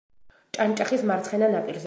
ჭანჭახის მარცხენა ნაპირზე.